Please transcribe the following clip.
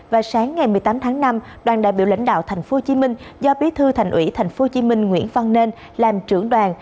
và sáng ngày một mươi tám tháng năm đoàn đại biểu lãnh đạo tp hcm do bí thư thành ủy tp hcm nguyễn văn nên làm trưởng đoàn